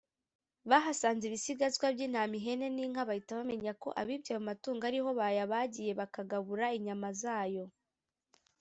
bahasanze ibisigazwa by’ intama, ihene n’inka bahita bamenya ko abibye ayo matungo ariho bayabagiye bakagabura inyama zayo.